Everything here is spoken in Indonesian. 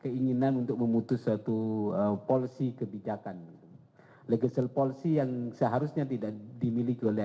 keinginan untuk memutus satu policy kebijakan legesel polsi yang seharusnya tidak dimilik oleh